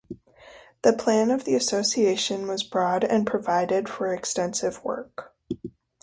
The plan of the association was broad and provided for extensive work.